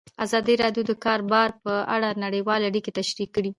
ازادي راډیو د د کار بازار په اړه نړیوالې اړیکې تشریح کړي.